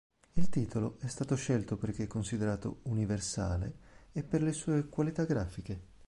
Il titolo è stato scelto perché considerato "universale" e per le sue qualità grafiche.